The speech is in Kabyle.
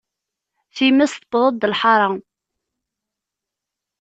Times tewweḍ-d lḥaṛa!